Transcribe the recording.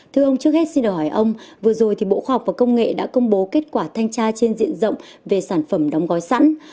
thưa ông trước hết xin đòi hỏi ông vừa rồi thì bộ khoa học và công nghệ đã công bố kết quả thanh tra trên diện rộng về sản phẩm đóng gói sẵn